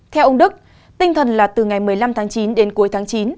theo ông đức tinh thần là từ ngày một mươi năm tháng chín đến cuối tháng chín